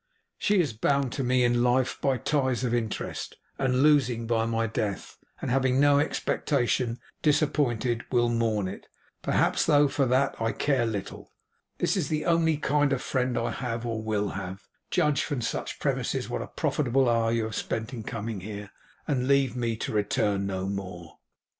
She is bound to me in life by ties of interest, and losing by my death, and having no expectation disappointed, will mourn it, perhaps; though for that I care little. This is the only kind of friend I have or will have. Judge from such premises what a profitable hour you have spent in coming here, and leave me, to return no more.